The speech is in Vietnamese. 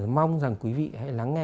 mong rằng quý vị hãy lắng nghe